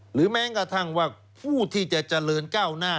แม้กระทั่งว่าผู้ที่จะเจริญก้าวหน้า